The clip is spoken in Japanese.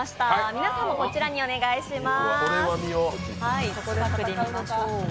皆さんもこちらにお願いします。